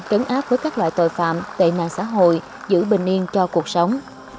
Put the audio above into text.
trấn áp với các loại tội phạm tệ nạn xã hội giữ bình yên cho cuộc sống